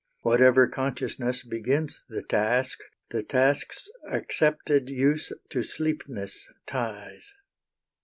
Whatever consciousness begins the task The task's accepted use to sleepness ties.